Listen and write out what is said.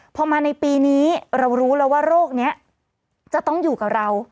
พอมาในปีนี้เรารู้แล้วว่าโรคนี้จะต้องอยู่กับเรา